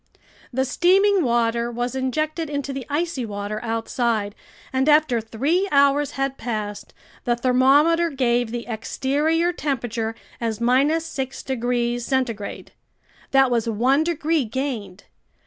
The steaming water was injected into the icy water outside, and after three hours had passed, the thermometer gave the exterior temperature as 6 degrees centigrade. That was one degree gained.